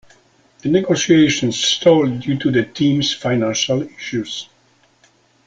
The negotiations stalled due to the team's financial issues.